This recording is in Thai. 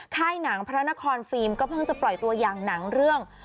ค่ายหนังพระนครฟิล์มก็เพิ่งจะปล่อยตัวอย่างหนังเรื่อง